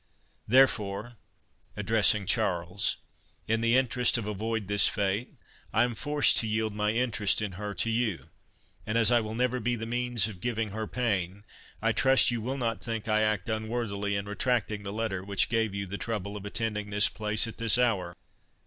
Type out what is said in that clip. Therefore," addressing Charles, "in the interest of avoid this fate, I am forced to yield my interest in her to you; and, as I will never be the means of giving her pain, I trust you will not think I act unworthily in retracting the letter which gave you the trouble of attending this place at this hour.